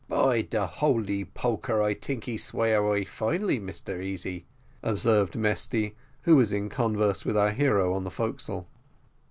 "By de holy poker, I tink he sway away finely, Massa Easy," observed Mesty, who was in converse with our hero on the forecastle.